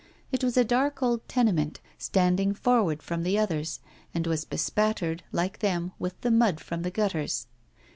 It was a dark old tenement, standing forward from the others, and was bespattered like them with the mud from the gutters.